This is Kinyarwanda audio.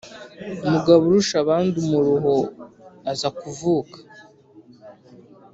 mugaburushabandumuruho aza kuvuka